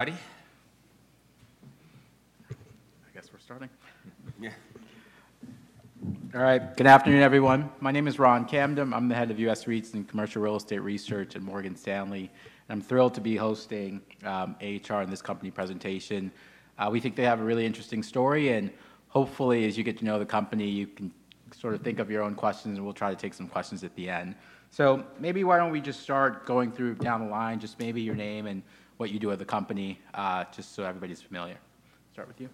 Ready. I guess we're starting. All right. Good afternoon, everyone. My name is Ron Kamden. I'm the Head of U.S. REITs and Commercial Real Estate Research at Morgan Stanley. I'm thrilled to be hosting AHR in this company presentation. We think they have a really interesting story. Hopefully, as you get to know the company, you can sort of think of your own questions. We'll try to take some questions at the end. Maybe why don't we just start going through down the line, just maybe your name and what you do at the company, just so everybody's familiar. Start with you.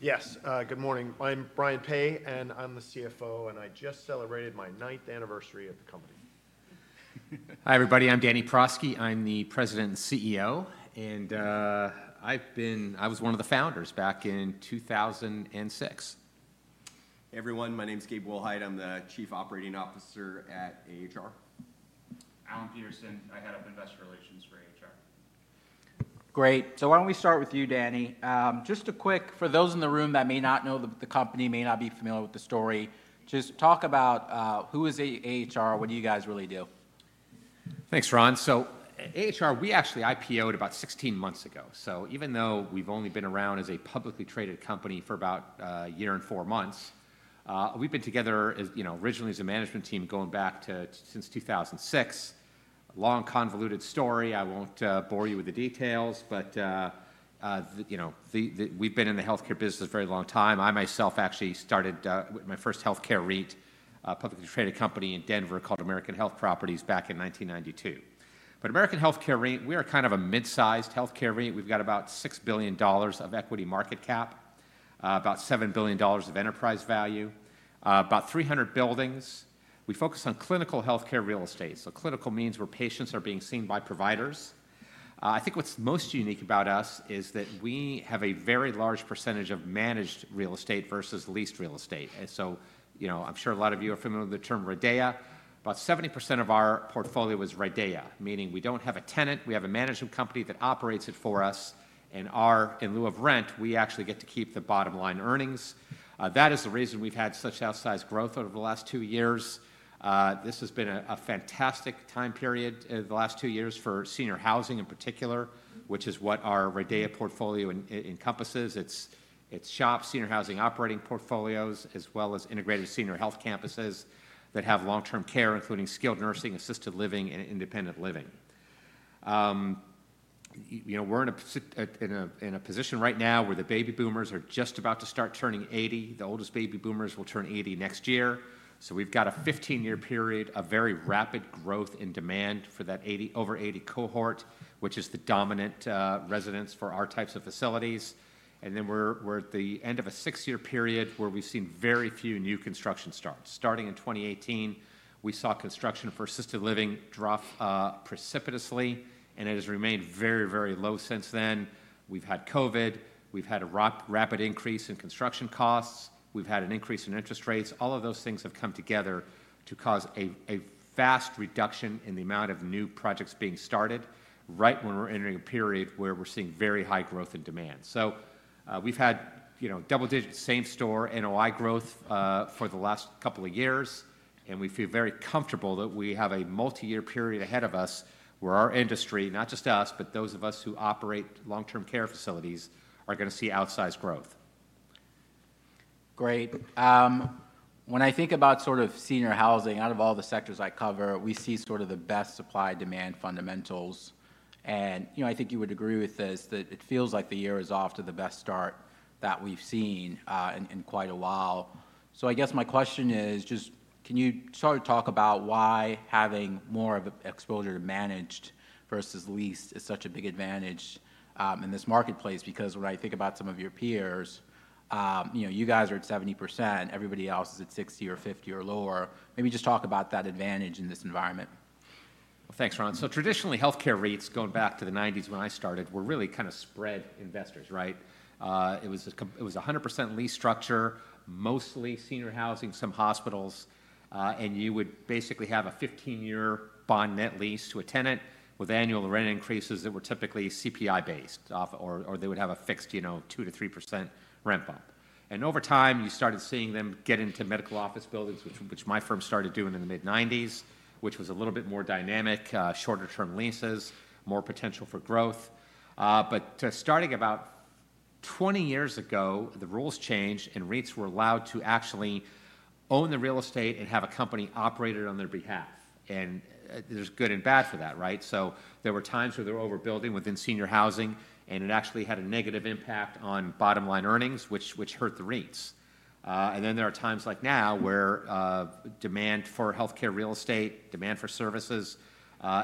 Yes. Good morning. I'm Brian Peay, and I'm the CFO. And I just celebrated my ninth anniversary at the company. Hi, everybody. I'm Danny Prosky. I'm the President and CEO. And I was one of the founders back in 2006. Everyone, my name's Gabe Willhite. I'm the Chief Operating Officer at AHR. Alan Peterson. I head up investor relations for AHR. Great. Why don't we start with you, Danny? Just a quick, for those in the room that may not know the company, may not be familiar with the story, just talk about who is AHR, what do you guys really do? Thanks, Ron. AHR, we actually IPO'd about 16 months ago. Even though we've only been around as a publicly traded company for about a year and four months, we've been together originally as a management team going back to since 2006. Long convoluted story. I won't bore you with the details. We've been in the health care business a very long time. I myself actually started my first health care REIT, publicly traded company in Denver called American Health Properties back in 1992. American Healthcare REIT, we are kind of a mid-sized health care REIT. We've got about $6 billion of equity market cap, about $7 billion of enterprise value, about 300 buildings. We focus on clinical health care real estate. Clinical means where patients are being seen by providers. I think what's most unique about us is that we have a very large percentage of managed real estate versus leased real estate. I'm sure a lot of you are familiar with the term RIDEA. About 70% of our portfolio is RIDEA, meaning we don't have a tenant. We have a management company that operates it for us. In lieu of rent, we actually get to keep the bottom line earnings. That is the reason we've had such outsized growth over the last two years. This has been a fantastic time period in the last two years for senior housing in particular, which is what our RIDEA portfolio encompasses. It's SHOP, Senior Housing Operating Portfolios, as well as integrated senior health campuses that have long-term care, including skilled nursing, assisted living, and independent living. We're in a position right now where the baby boomers are just about to start turning 80. The oldest baby boomers will turn 80 next year. We have a 15-year period of very rapid growth in demand for that over 80 cohort, which is the dominant residence for our types of facilities. We are at the end of a six-year period where we've seen very few new construction starts. Starting in 2018, we saw construction for assisted living drop precipitously. It has remained very, very low since then. We've had COVID. We've had a rapid increase in construction costs. We've had an increase in interest rates. All of those things have come together to cause a fast reduction in the amount of new projects being started right when we're entering a period where we're seeing very high growth in demand. We've had double-digit same-store NOI growth for the last couple of years. We feel very comfortable that we have a multi-year period ahead of us where our industry, not just us, but those of us who operate long-term care facilities, are going to see outsized growth. Great. When I think about sort of senior housing, out of all the sectors I cover, we see sort of the best supply-demand fundamentals. I think you would agree with this that it feels like the year is off to the best start that we've seen in quite a while. I guess my question is, just can you sort of talk about why having more of an exposure to managed versus leased is such a big advantage in this marketplace? Because when I think about some of your peers, you guys are at 70%. Everybody else is at 60% or 50% or lower. Maybe just talk about that advantage in this environment. Thanks, Ron. Traditionally, health care REITs, going back to the 1990s when I started, were really kind of spread investors, right? It was a 100% lease structure, mostly senior housing, some hospitals. You would basically have a 15-year bond net lease to a tenant with annual rent increases that were typically CPI-based, or they would have a fixed 2%-3% rent bump. Over time, you started seeing them get into medical office buildings, which my firm started doing in the mid-1990s, which was a little bit more dynamic, shorter-term leases, more potential for growth. Starting about 20 years ago, the rules changed, and REITs were allowed to actually own the real estate and have a company operate it on their behalf. There is good and bad for that, right? There were times where they were overbuilding within senior housing. It actually had a negative impact on bottom line earnings, which hurt the REITs. There are times like now where demand for health care real estate, demand for services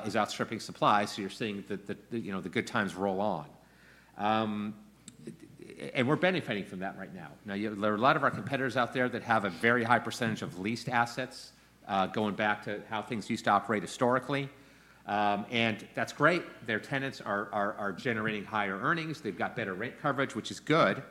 is outstripping supply. You're seeing that the good times roll on. We're benefiting from that right now. There are a lot of our competitors out there that have a very high percentage of leased assets going back to how things used to operate historically. That's great. Their tenants are generating higher earnings. They've got better rent coverage, which is good.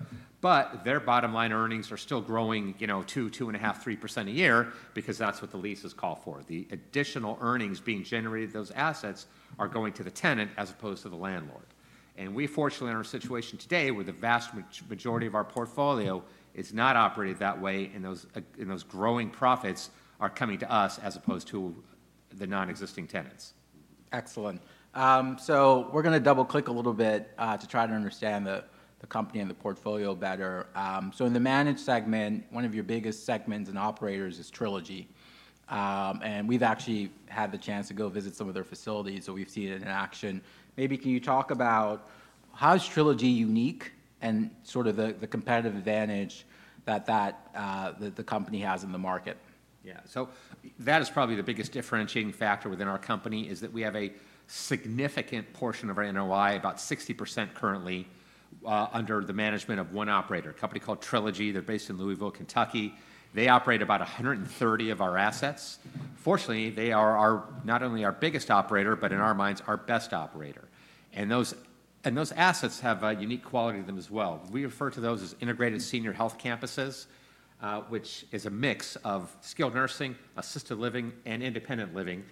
Their bottom line earnings are still growing 2%, 2.5%, 3% a year because that's what the leases call for. The additional earnings being generated, those assets are going to the tenant as opposed to the landlord. We fortunately are in a situation today where the vast majority of our portfolio is not operated that way. Those growing profits are coming to us as opposed to the non-existing tenants. Excellent. We are going to double-click a little bit to try to understand the company and the portfolio better. In the managed segment, one of your biggest segments and operators is Trilogy. We have actually had the chance to go visit some of their facilities. We have seen it in action. Maybe can you talk about how is Trilogy unique and sort of the competitive advantage that the company has in the market? Yeah. That is probably the biggest differentiating factor within our company is that we have a significant portion of our NOI, about 60% currently, under the management of one operator, a company called Trilogy. They are based in Louisville, Kentucky. They operate about 130 of our assets. Fortunately, they are not only our biggest operator, but in our minds, our best operator. Those assets have a unique quality to them as well. We refer to those as integrated senior health campuses, which is a mix of skilled nursing, assisted living, and independent living.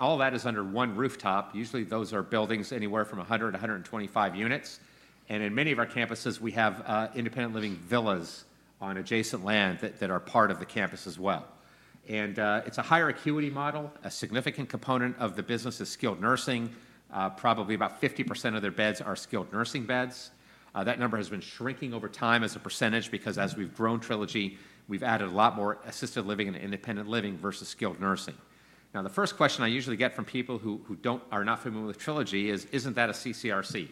All of that is under one rooftop. Usually, those are buildings anywhere from 100-125 units. In many of our campuses, we have independent living villas on adjacent land that are part of the campus as well. It is a higher acuity model. A significant component of the business is skilled nursing. Probably about 50% of their beds are skilled nursing beds. That number has been shrinking over time as a percentage because as we have grown Trilogy, we have added a lot more assisted living and independent living versus skilled nursing. Now, the first question I usually get from people who are not familiar with Trilogy is, is not that a CCRC,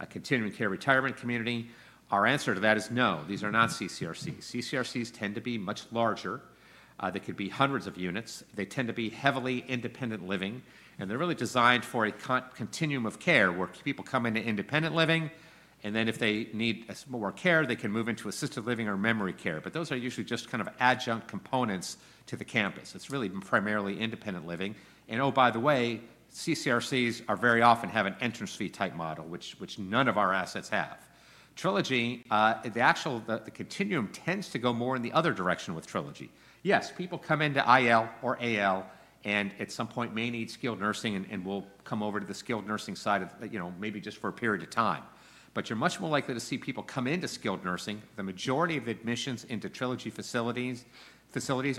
a continuing care retirement community? Our answer to that is no. These are not CCRCs. CCRCs tend to be much larger. They could be hundreds of units. They tend to be heavily independent living. They are really designed for a continuum of care where people come into independent living. If they need more care, they can move into assisted living or memory care. Those are usually just kind of adjunct components to the campus. It is really primarily independent living. Oh, by the way, CCRCs very often have an entrance fee type model, which none of our assets have. Trilogy, the continuum tends to go more in the other direction with Trilogy. Yes, people come into IL or AL and at some point may need skilled nursing and will come over to the skilled nursing side maybe just for a period of time. You are much more likely to see people come into skilled nursing. The majority of admissions into Trilogy facilities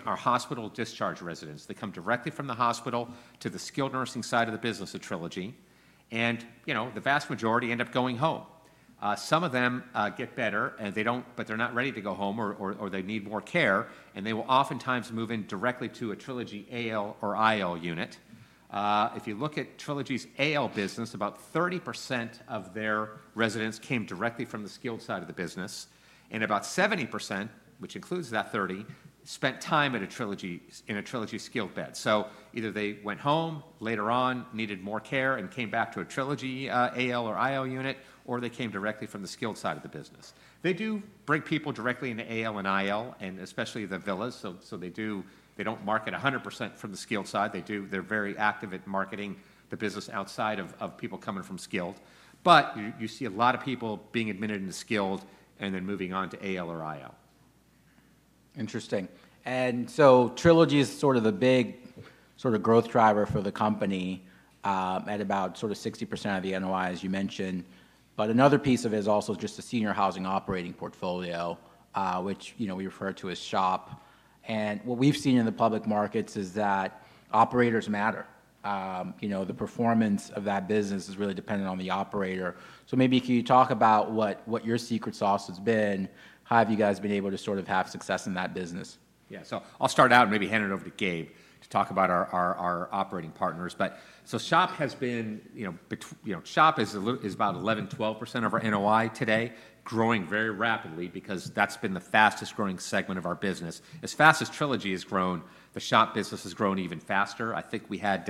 are hospital discharge residents. They come directly from the hospital to the skilled nursing side of the business of Trilogy. The vast majority end up going home. Some of them get better, but they are not ready to go home or they need more care. They will oftentimes move in directly to a Trilogy AL or IL unit. If you look at Trilogy's AL business, about 30% of their residents came directly from the skilled side of the business. About 70%, which includes that 30%, spent time in a Trilogy skilled bed. Either they went home later on, needed more care, and came back to a Trilogy AL or IL unit, or they came directly from the skilled side of the business. They do bring people directly into AL and IL, and especially the villas. They do not market 100% from the skilled side. They are very active at marketing the business outside of people coming from skilled. You see a lot of people being admitted into skilled and then moving on to AL or IL. Interesting. Trilogy is sort of the big sort of growth driver for the company at about 60% of the NOI, as you mentioned. Another piece of it is also just the senior housing operating portfolio, which we refer to as SHOP. What we have seen in the public markets is that operators matter. The performance of that business is really dependent on the operator. Maybe can you talk about what your secret sauce has been? How have you guys been able to sort of have success in that business? Yeah. So I'll start out and maybe hand it over to Gabe to talk about our operating partners. SHOP has been, SHOP is about 11%-12% of our NOI today, growing very rapidly because that's been the fastest growing segment of our business. As fast as Trilogy has grown, the SHOP business has grown even faster. I think we had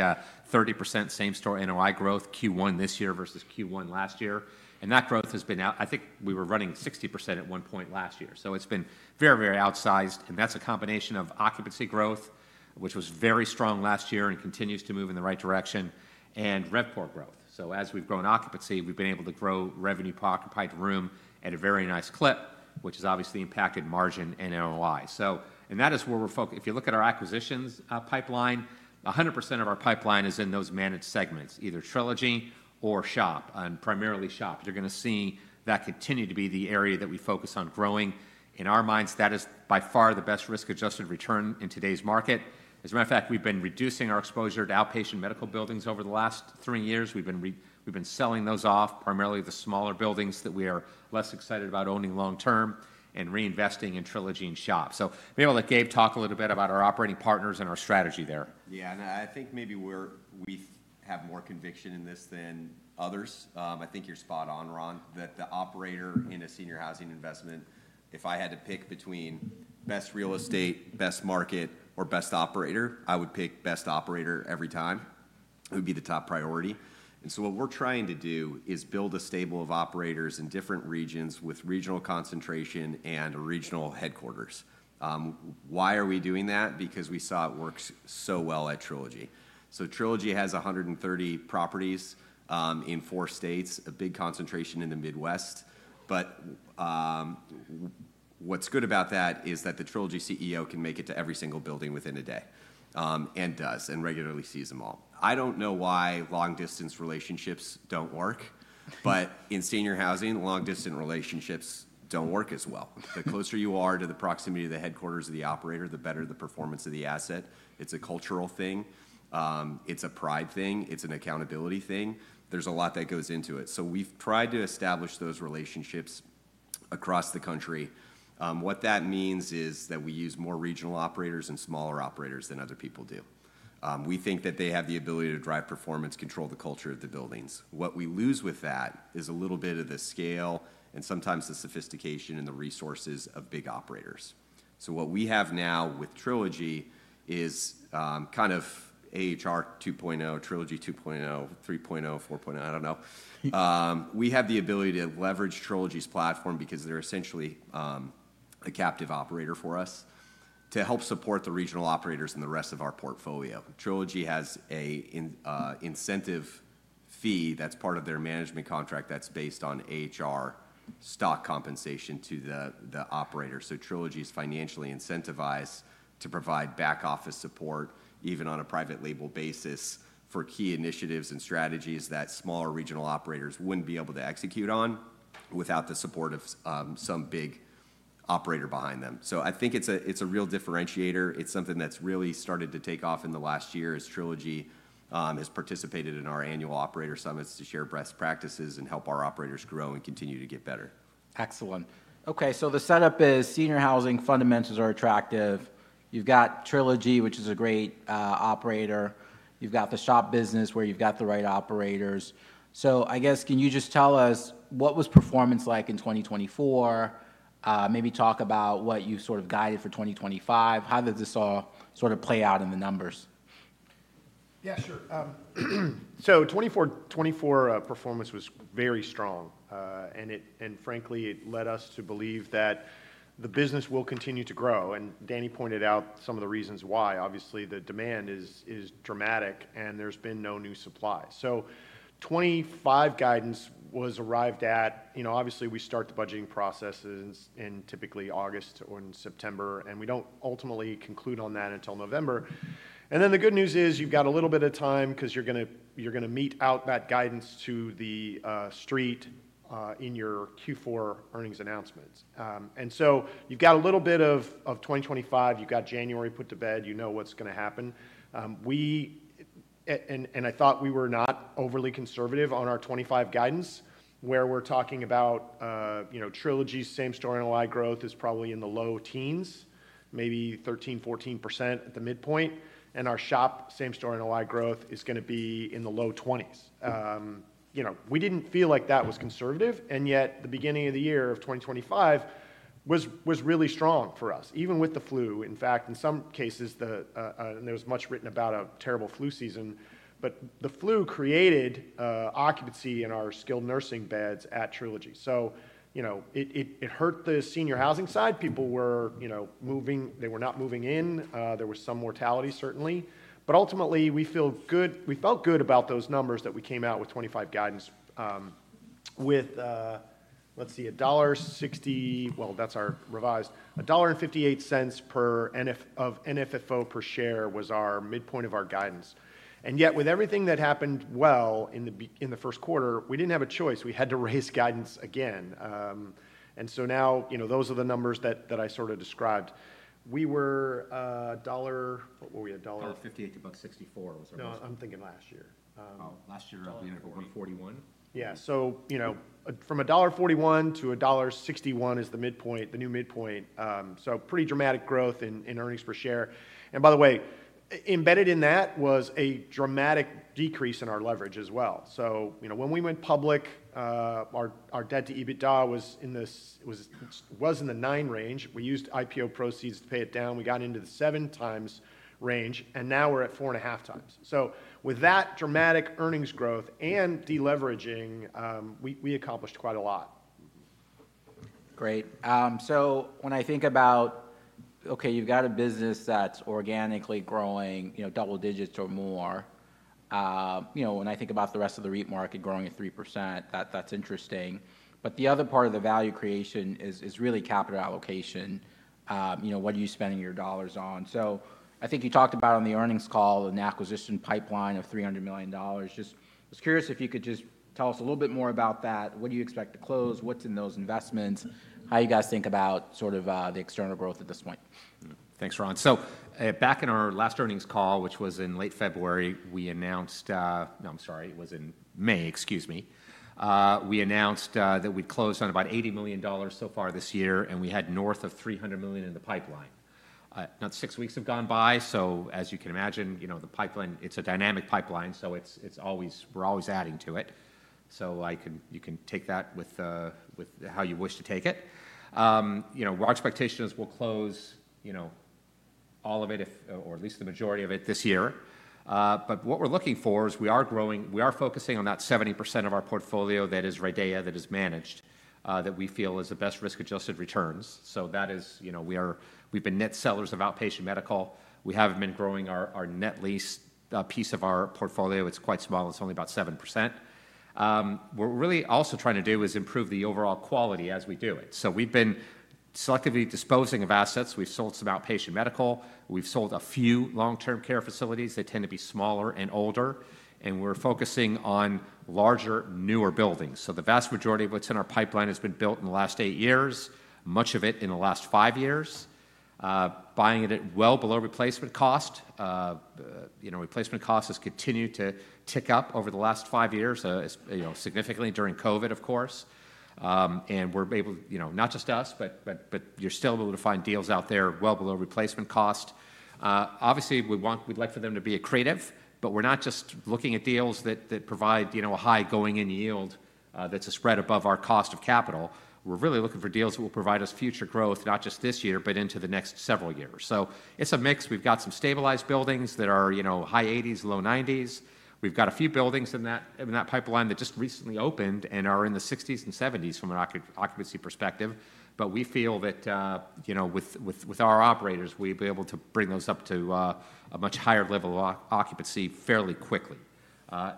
30% same-store NOI growth Q1 this year versus Q1 last year. That growth has been, I think we were running 60% at one point last year. It's been very, very outsized. That's a combination of occupancy growth, which was very strong last year and continues to move in the right direction, and rent per growth. As we've grown occupancy, we've been able to grow revenue-occupied room at a very nice clip, which has obviously impacted margin and NOI. That is where we're, if you look at our acquisitions pipeline, 100% of our pipeline is in those managed segments, either Trilogy or SHOP, and primarily SHOP. You're going to see that continue to be the area that we focus on growing. In our minds, that is by far the best risk-adjusted return in today's market. As a matter of fact, we've been reducing our exposure to outpatient medical buildings over the last three years. We've been selling those off, primarily the smaller buildings that we are less excited about owning long-term and reinvesting in Trilogy and SHOP. Maybe I'll let Gabe talk a little bit about our operating partners and our strategy there. Yeah. I think maybe we have more conviction in this than others. I think you're spot on, Ron, that the operator in a senior housing investment, if I had to pick between best real estate, best market, or best operator, I would pick best operator every time. It would be the top priority. What we're trying to do is build a stable of operators in different regions with regional concentration and regional headquarters. Why are we doing that? Because we saw it works so well at Trilogy. Trilogy has 130 properties in four states, a big concentration in the Midwest. What's good about that is that the Trilogy CEO can make it to every single building within a day and does and regularly sees them all. I do not know why long-distance relationships do not work. In senior housing, long-distance relationships do not work as well. The closer you are to the proximity of the headquarters of the operator, the better the performance of the asset. It's a cultural thing. It's a pride thing. It's an accountability thing. There's a lot that goes into it. We have tried to establish those relationships across the country. What that means is that we use more regional operators and smaller operators than other people do. We think that they have the ability to drive performance, control the culture of the buildings. What we lose with that is a little bit of the scale and sometimes the sophistication and the resources of big operators. What we have now with Trilogy is kind of AHR 2.0, Trilogy 2.0, 3.0, 4.0. I don't know. We have the ability to leverage Trilogy's platform because they're essentially a captive operator for us to help support the regional operators and the rest of our portfolio. Trilogy has an incentive fee that's part of their management contract that's based on AHR stock compensation to the operator. Trilogy is financially incentivized to provide back-office support, even on a private label basis, for key initiatives and strategies that smaller regional operators wouldn't be able to execute on without the support of some big operator behind them. I think it's a real differentiator. It's something that's really started to take off in the last year as Trilogy has participated in our annual operator summits to share best practices and help our operators grow and continue to get better. Excellent. Okay. The setup is senior housing fundamentals are attractive. You've got Trilogy, which is a great operator. You've got the SHOP business where you've got the right operators. I guess can you just tell us what was performance like in 2024? Maybe talk about what you've sort of guided for 2025. How did this all sort of play out in the numbers? Yeah, sure. 2024 performance was very strong. Frankly, it led us to believe that the business will continue to grow. Danny pointed out some of the reasons why. Obviously, the demand is dramatic, and there has been no new supply. 2025 guidance was arrived at. Obviously, we start the budgeting processes in typically August or in September. We do not ultimately conclude on that until November. The good news is you have got a little bit of time because you are going to meet out that guidance to the street in your Q4 earnings announcements. You have got a little bit of 2025. You have got January put to bed. You know what is going to happen. I thought we were not overly conservative on our 2025 guidance where we're talking about Trilogy's same-store NOI growth is probably in the low teens, maybe 13%-14% at the midpoint. Our SHOP same-store NOI growth is going to be in the low 20%. We didn't feel like that was conservative. Yet the beginning of the year of 2025 was really strong for us, even with the flu. In fact, in some cases, there was much written about a terrible flu season. The flu created occupancy in our skilled nursing beds at Trilogy. It hurt the senior housing side. People were moving. They were not moving in. There was some mortality, certainly. Ultimately, we felt good about those numbers that we came out with 2025 guidance with, let's see, $1.60. That's our revised. $1.58 per NFFO per share was our midpoint of our guidance. Yet with everything that happened in the first quarter, we did not have a choice. We had to raise guidance again. Now those are the numbers that I sort of described. We were $1. What were we at? $1.50, $1.64 was our most. No, I'm thinking last year. Oh, last year we ended up at $1.41. Yeah. So from $1.41-$1.61 is the new midpoint. So pretty dramatic growth in earnings per share. And by the way, embedded in that was a dramatic decrease in our leverage as well. So when we went public, our debt to EBITDA was in the nine range. We used IPO proceeds to pay it down. We got into the 7x range. And now we're at 4.5x. So with that dramatic earnings growth and deleveraging, we accomplished quite a lot. Great. When I think about, okay, you've got a business that's organically growing double digits or more. When I think about the rest of the REIT market growing at 3%, that's interesting. The other part of the value creation is really capital allocation. What are you spending your dollars on? I think you talked about on the earnings call an acquisition pipeline of $300 million. Just was curious if you could just tell us a little bit more about that. What do you expect to close? What's in those investments? How do you guys think about sort of the external growth at this point? Thanks, Ron. Back in our last earnings call, which was in late February, we announced—no, I'm sorry, it was in May, excuse me. We announced that we'd closed on about $80 million so far this year, and we had north of $300 million in the pipeline. Now, six weeks have gone by. As you can imagine, the pipeline, it's a dynamic pipeline, so we're always adding to it. You can take that with how you wish to take it. Our expectation is we'll close all of it, or at least the majority of it, this year. What we're looking for is we are growing. We are focusing on that 70% of our portfolio that is REIT data, that is managed, that we feel is the best risk-adjusted returns. We've been net sellers of outpatient medical. We haven't been growing our net lease piece of our portfolio. It's quite small. It's only about 7%. What we're really also trying to do is improve the overall quality as we do it. We've been selectively disposing of assets. We've sold some outpatient medical. We've sold a few long-term care facilities. They tend to be smaller and older. We're focusing on larger, newer buildings. The vast majority of what's in our pipeline has been built in the last eight years, much of it in the last five years, buying it at well below replacement cost. Replacement cost has continued to tick up over the last five years, significantly during COVID, of course. We're able to, not just us, but you're still able to find deals out there well below replacement cost. Obviously, we'd like for them to be accretive. We're not just looking at deals that provide a high going-in yield that's a spread above our cost of capital. We're really looking for deals that will provide us future growth, not just this year, but into the next several years. It's a mix. We've got some stabilized buildings that are high 80s, low 90s. We've got a few buildings in that pipeline that just recently opened and are in the 60s and 70s from an occupancy perspective. We feel that with our operators, we'll be able to bring those up to a much higher level of occupancy fairly quickly.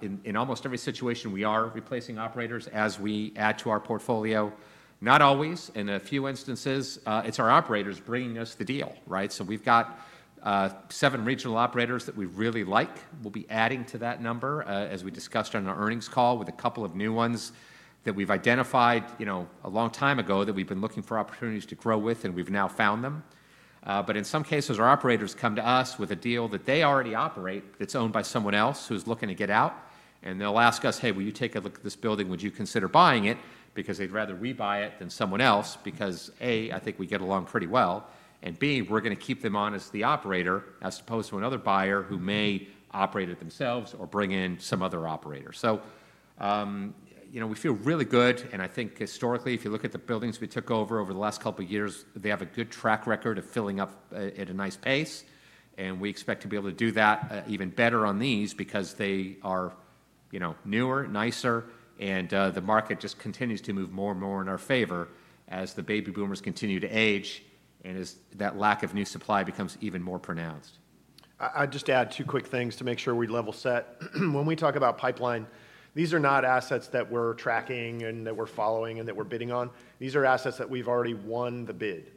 In almost every situation, we are replacing operators as we add to our portfolio. Not always. In a few instances, it's our operators bringing us the deal, right? We've got seven regional operators that we really like. We'll be adding to that number, as we discussed on our earnings call, with a couple of new ones that we've identified a long time ago that we've been looking for opportunities to grow with, and we've now found them. In some cases, our operators come to us with a deal that they already operate that's owned by someone else who's looking to get out. They'll ask us, "Hey, will you take a look at this building? Would you consider buying it?" because they'd rather we buy it than someone else because, A, I think we get along pretty well, and B, we're going to keep them on as the operator as opposed to another buyer who may operate it themselves or bring in some other operator. We feel really good. I think historically, if you look at the buildings we took over over the last couple of years, they have a good track record of filling up at a nice pace. We expect to be able to do that even better on these because they are newer, nicer, and the market just continues to move more and more in our favor as the baby boomers continue to age and as that lack of new supply becomes even more pronounced. I'll just add two quick things to make sure we level set. When we talk about pipeline, these are not assets that we're tracking and that we're following and that we're bidding on. These are assets that we've already won the bid.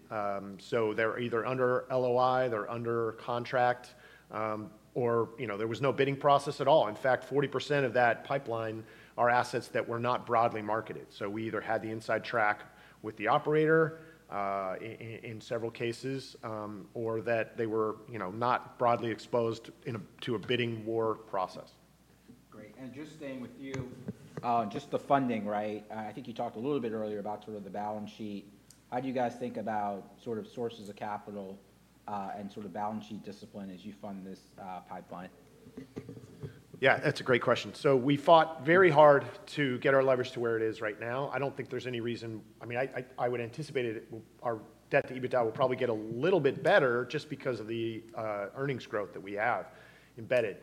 So they're either under LOI, they're under contract, or there was no bidding process at all. In fact, 40% of that pipeline are assets that were not broadly marketed. So we either had the inside track with the operator in several cases or that they were not broadly exposed to a bidding war process. Great. Just staying with you, just the funding, right? I think you talked a little bit earlier about sort of the balance sheet. How do you guys think about sort of sources of capital and sort of balance sheet discipline as you fund this pipeline? Yeah, that's a great question. We fought very hard to get our leverage to where it is right now. I don't think there's any reason. I mean, I would anticipate our debt to EBITDA will probably get a little bit better just because of the earnings growth that we have embedded.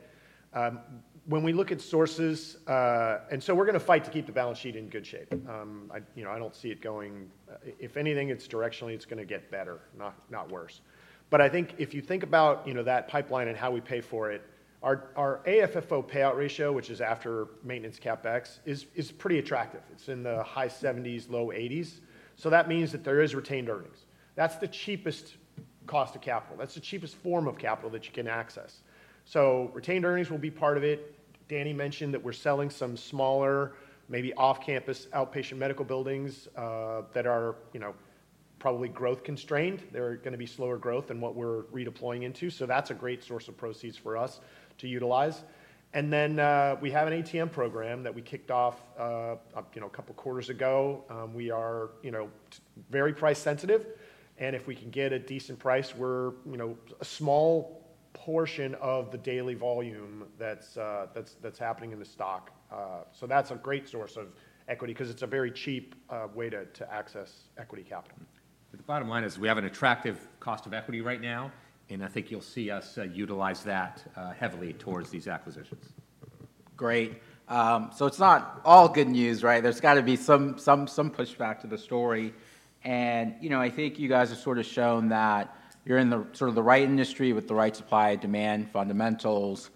When we look at sources, and we are going to fight to keep the balance sheet in good shape. I don't see it going. If anything, directionally, it's going to get better, not worse. I think if you think about that pipeline and how we pay for it, our AFFO payout ratio, which is after maintenance capex, is pretty attractive. It's in the high 70%-low 80%. That means that there is retained earnings. That's the cheapest cost of capital. That's the cheapest form of capital that you can access. Retained earnings will be part of it. Danny mentioned that we're selling some smaller, maybe off-campus outpatient medical buildings that are probably growth constrained. They're going to be slower growth than what we're redeploying into. That's a great source of proceeds for us to utilize. We have an ATM program that we kicked off a couple of quarters ago. We are very price sensitive. If we can get a decent price, we're a small portion of the daily volume that's happening in the stock. That's a great source of equity because it's a very cheap way to access equity capital. The bottom line is we have an attractive cost of equity right now. I think you'll see us utilize that heavily towards these acquisitions. Great. It's not all good news, right? There's got to be some pushback to the story. I think you guys have sort of shown that you're in sort of the right industry with the right supply-demand fundamentals.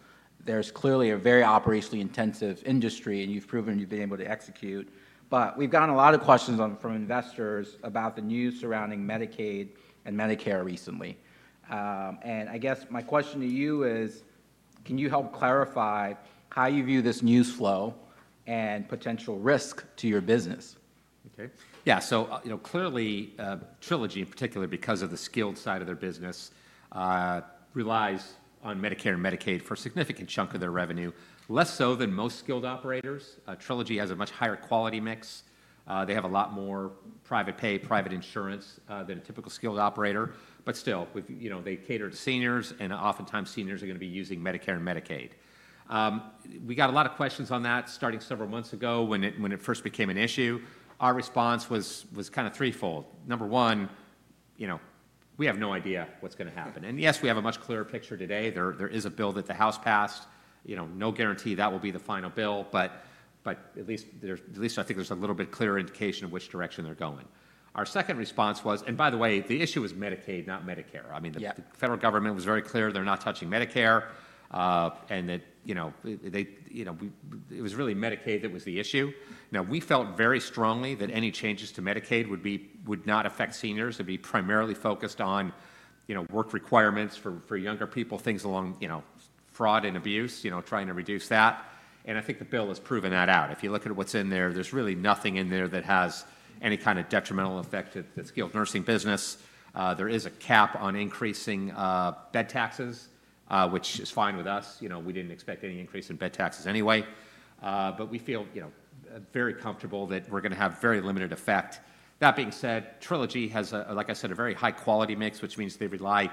There's clearly a very operationally intensive industry, and you've proven you've been able to execute. We've gotten a lot of questions from investors about the news surrounding Medicaid and Medicare recently. I guess my question to you is, can you help clarify how you view this news flow and potential risk to your business? Okay. Yeah. Clearly, Trilogy, in particular, because of the skilled side of their business, relies on Medicare and Medicaid for a significant chunk of their revenue, less so than most skilled operators. Trilogy has a much higher quality mix. They have a lot more private pay, private insurance than a typical skilled operator. Still, they cater to seniors, and oftentimes seniors are going to be using Medicare and Medicaid. We got a lot of questions on that starting several months ago when it first became an issue. Our response was kind of threefold. Number one, we have no idea what's going to happen. Yes, we have a much clearer picture today. There is a bill that the House passed. No guarantee that will be the final bill. At least I think there's a little bit clearer indication of which direction they're going. Our second response was, and by the way, the issue was Medicaid, not Medicare. I mean, the federal government was very clear they're not touching Medicare. It was really Medicaid that was the issue. Now, we felt very strongly that any changes to Medicaid would not affect seniors. It would be primarily focused on work requirements for younger people, things along fraud and abuse, trying to reduce that. I think the bill has proven that out. If you look at what's in there, there's really nothing in there that has any kind of detrimental effect to the skilled nursing business. There is a cap on increasing bed taxes, which is fine with us. We didn't expect any increase in bed taxes anyway. We feel very comfortable that we're going to have very limited effect. That being said, Trilogy has, like I said, a very high-quality mix, which means they rely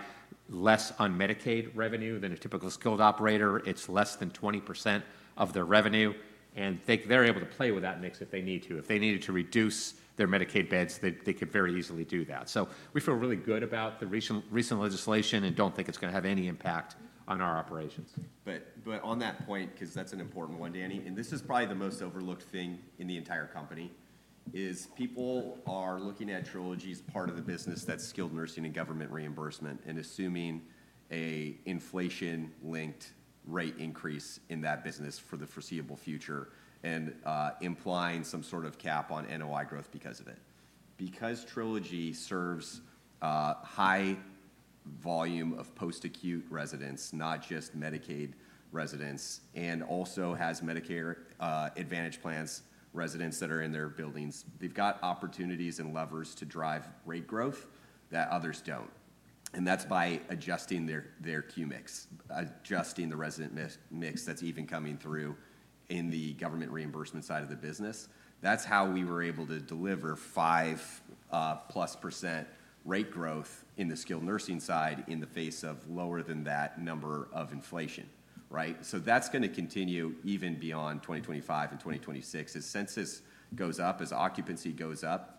less on Medicaid revenue than a typical skilled operator. It's less than 20% of their revenue. They're able to play with that mix if they need to. If they needed to reduce their Medicaid beds, they could very easily do that. We feel really good about the recent legislation and don't think it's going to have any impact on our operations. On that point, because that's an important one, Danny, and this is probably the most overlooked thing in the entire company, people are looking at Trilogy as part of the business that's skilled nursing and government reimbursement and assuming an inflation-linked rate increase in that business for the foreseeable future and implying some sort of cap on NOI growth because of it. Because Trilogy serves a high volume of post-acute residents, not just Medicaid residents, and also has Medicare Advantage plans residents that are in their buildings, they've got opportunities and levers to drive rate growth that others don't. That's by adjusting their Q-mix, adjusting the resident mix that's even coming through in the government reimbursement side of the business. That's how we were able to deliver 5+% rate growth in the skilled nursing side in the face of lower than that number of inflation, right? That's going to continue even beyond 2025 and 2026. As census goes up, as occupancy goes up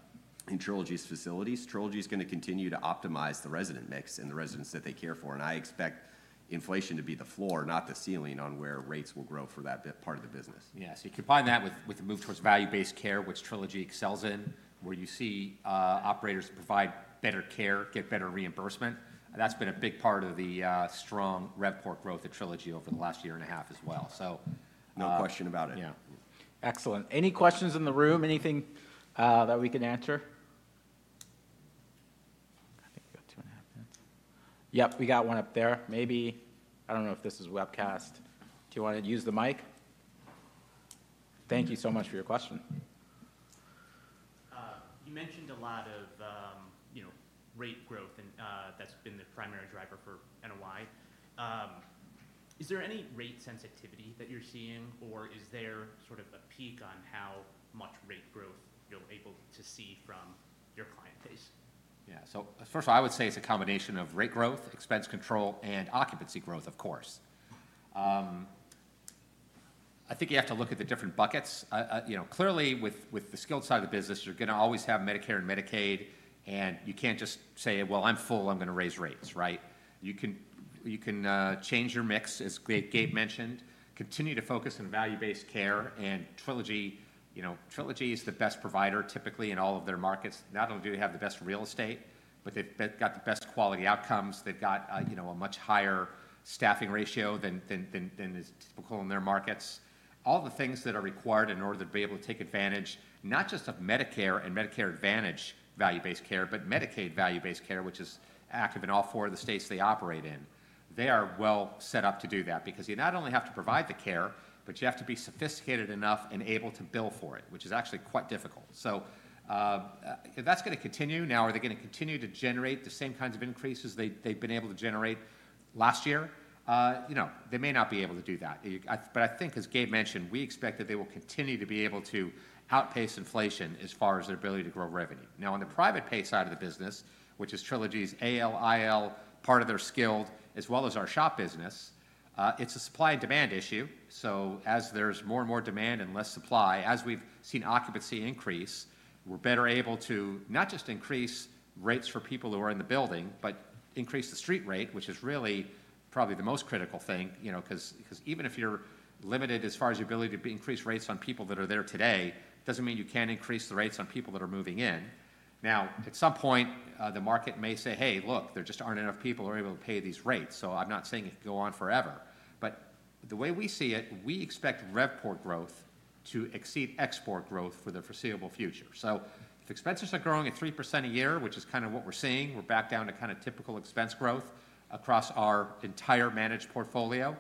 in Trilogy's facilities, Trilogy is going to continue to optimize the resident mix and the residents that they care for. I expect inflation to be the floor, not the ceiling on where rates will grow for that part of the business. Yeah. So you combine that with the move towards value-based care, which Trilogy excels in, where you see operators provide better care, get better reimbursement. That's been a big part of the strong rev port growth at Trilogy over the last year and a half as well. No question about it. Yeah. Excellent. Any questions in the room? Anything that we can answer? I think we got two and a half minutes. Yep, we got one up there. Maybe, I do not know if this is webcast. Do you want to use the mic? Thank you so much for your question. You mentioned a lot of rate growth, and that's been the primary driver for NOI. Is there any rate sensitivity that you're seeing, or is there sort of a peak on how much rate growth you're able to see from your client base? Yeah. First of all, I would say it's a combination of rate growth, expense control, and occupancy growth, of course. I think you have to look at the different buckets. Clearly, with the skilled side of the business, you're going to always have Medicare and Medicaid, and you can't just say, "Well, I'm full. I'm going to raise rates," right? You can change your mix, as Gabe mentioned, continue to focus on value-based care. Trilogy is the best provider typically in all of their markets. Not only do they have the best real estate, but they've got the best quality outcomes. They've got a much higher staffing ratio than is typical in their markets. All the things that are required in order to be able to take advantage, not just of Medicare and Medicare Advantage value-based care, but Medicaid value-based care, which is active in all four of the states they operate in, they are well set up to do that because you not only have to provide the care, but you have to be sophisticated enough and able to bill for it, which is actually quite difficult. If that's going to continue, now, are they going to continue to generate the same kinds of increases they've been able to generate last year? They may not be able to do that. I think, as Gabe mentioned, we expect that they will continue to be able to outpace inflation as far as their ability to grow revenue. Now, on the private pay side of the business, which is Trilogy's AL, IL, part of their skilled, as well as our SHOP business, it's a supply and demand issue. As there's more and more demand and less supply, as we've seen occupancy increase, we're better able to not just increase rates for people who are in the building, but increase the street rate, which is really probably the most critical thing because even if you're limited as far as your ability to increase rates on people that are there today, it doesn't mean you can't increase the rates on people that are moving in. At some point, the market may say, "Hey, look, there just aren't enough people who are able to pay these rates." I'm not saying it can go on forever. The way we see it, we expect rev port growth to exceed export growth for the foreseeable future. If expenses are growing at 3% a year, which is kind of what we're seeing, we're back down to kind of typical expense growth across our entire managed portfolio,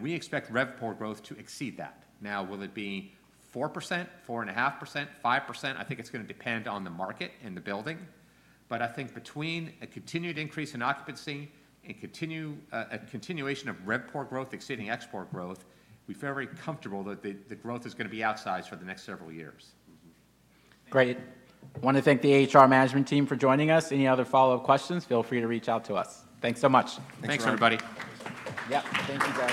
we expect rev port growth to exceed that. Now, will it be 4%, 4.5%, 5%? I think it's going to depend on the market and the building. I think between a continued increase in occupancy and continuation of rev port growth exceeding export growth, we feel very comfortable that the growth is going to be outsized for the next several years. Great. I want to thank the AHR management team for joining us. Any other follow-up questions, feel free to reach out to us. Thanks so much. Thanks, everybody. Yep. Thank you, guys.